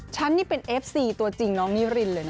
ฉันนี่เป็นเอฟซีตัวจริงน้องนิรินเลยนะ